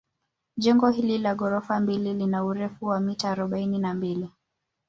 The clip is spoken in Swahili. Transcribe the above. Jengo hili la ghorofa mbili lina urefu wa mita arobaini na mbili